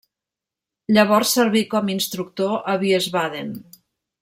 Llavors serví com instructor a Wiesbaden.